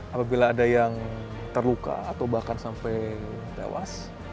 apabila ada yang terluka atau bahkan sampai tewas